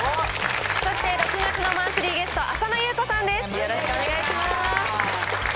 そして、６月のマンスリーゲスト、浅野ゆう子さんです。